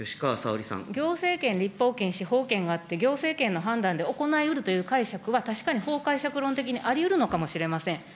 行政権、立法権、司法権があって、行政権の判断で行いうるという解釈は、確かに法解釈論的にありうるのかもしれません。